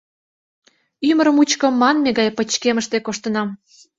Ӱмыр мучко манме гай пычкемыште коштынам.